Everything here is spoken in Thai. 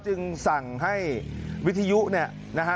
จึงสั่งให้วิทยุนะฮะ